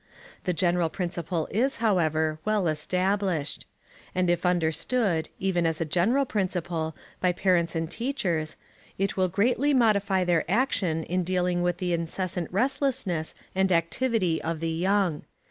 The general principle is, however, well established; and if understood, even as a general principle, by parents and teachers, it will greatly modify their action in dealing with the incessant restlessness and activity of the young.